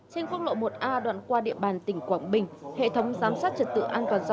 cho đến nay trên quốc lộ một a đoạn qua địa bàn tỉnh quảng bình